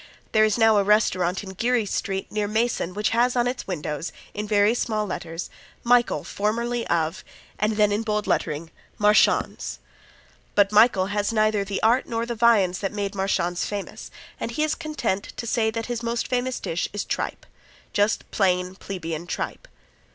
There is now a restaurant in Geary street near Mason which has on its windows in very small letters "Michael, formerly of," and then in bold lettering, "Marchands." But Michael has neither the art nor the viands that made Marchands famous, and he is content to say that his most famous dish is tripe just plain, plebeian tripe.